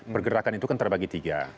pergerakan itu kan terbagi tiga